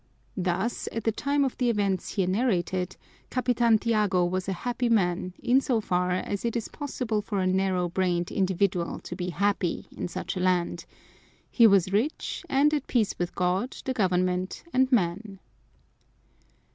Thus, at the time of the events here narrated, Capitan Tiago was a happy man in so far as it is possible for a narrow brained individual to be happy in such a land: he was rich, and at peace with God, the government, and men.